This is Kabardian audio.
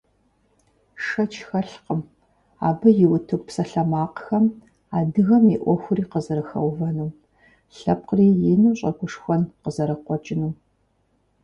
Шэч хэлъкъым, абы и утыку псалъэмакъхэм адыгэм и Ӏуэхури къызэрыхэувэнум, лъэпкъри ину щӀэгушхуэн къызэрыкъуэкӀынум.